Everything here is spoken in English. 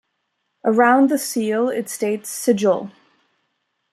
Around the seal it states Sigill.